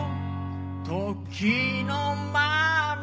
時のまま